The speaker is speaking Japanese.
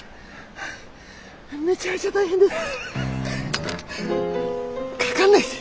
めちゃめちゃ大変です。